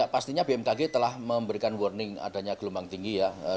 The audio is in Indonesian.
pastinya bmkg telah memberikan warning adanya gelombang tinggi ya